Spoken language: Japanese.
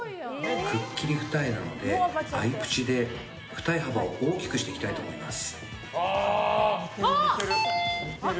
くっきり二重なのでアイプチで二重幅を大きくしていきたいと思います。